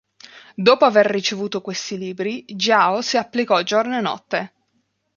Dopo aver ricevuto questi libri, Jiao si applicò giorno e notte.